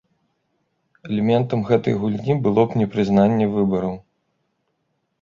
Элементам гэтай гульні было б непрызнанне выбараў.